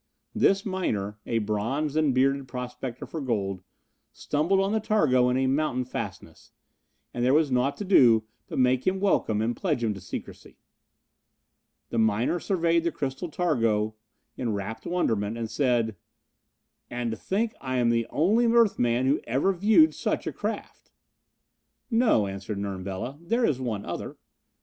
This miner, a bronzed and bearded prospector for gold, stumbled on the targo in a mountain fastness, and there was nought to do but make him welcome and pledge him to secrecy. The miner surveyed the crystal targo in rapt wonderment and said: "And to think I am the only earth man who ever viewed such a craft!" "No," answered Nern Bela, "there is one other."